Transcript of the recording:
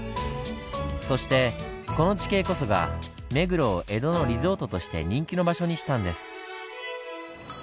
そしてこの地形こそが目黒を江戸のリゾートとして人気の場所にしたんです。